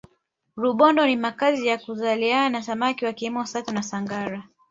rubondo ni makazi ya kuzaliana samaki wakiwemo sato na sangara